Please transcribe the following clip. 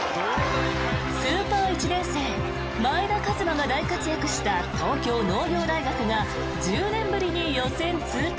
スーパー１年生、前田和摩が大活躍した東京農業大学が１０年ぶりに予選通過。